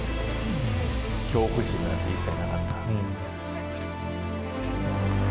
恐怖心なんて一切なかった。